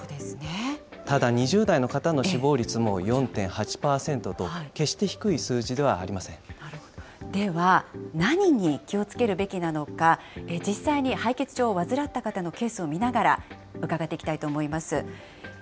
ただ２０代の方の死亡率も４．８％と、決して低い数字ではありまでは、何に気をつけるべきなのか、実際に敗血症を患った方のケースを見ながら伺っていきたいと思います。